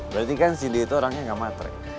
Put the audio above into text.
berarti kan si dia itu orangnya gak matre